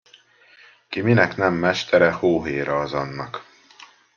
Ki minek nem mestere, hóhéra az annak.